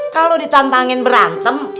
kalau ditantangin berantem